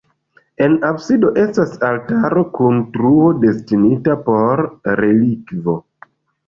En absido estas altaro kun truo destinita por relikvo.